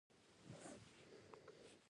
د کتابونو لوستل ذهن پراخوي.